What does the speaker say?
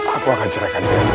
aku akan cerahkan dia